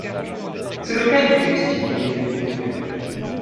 C'est le cas du textile et des produits agricoles.